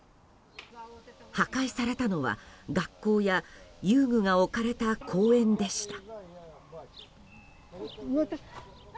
破壊されたのは学校や遊具が置かれた公園でした。